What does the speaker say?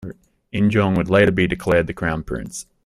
Injong would later be declared the crown prince.